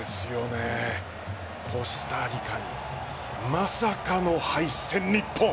コスタリカにまさかの敗戦、日本。